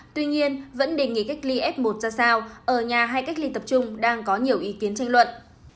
tuy nhiên vẫn đề nghị cách ly f một ra sao ở nhà hay cách ly tập trung đang có nhiều ý kiến tranh luận